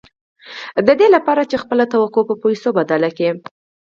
د دې لپاره چې خپله توقع پر پيسو بدله کړئ.